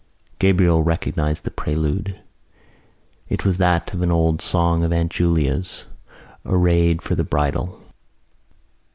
Gabriel recognised the prelude. It was that of an old song of Aunt Julia's—Arrayed for the Bridal.